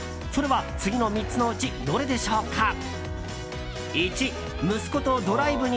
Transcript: それは次の３つのうちどれでしょうか？